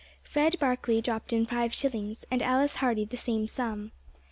Fred Barkley dropped in five shillings, and Alice Hardy the same sum.